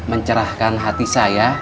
mencerahkan hati saya